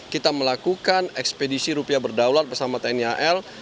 kita melakukan ekspedisi rupiah berdaulat bersama tni al